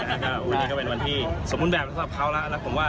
อันนี้ก็เป็นวันที่สมบูรณ์แบบสำหรับเขาแล้วแล้วผมว่า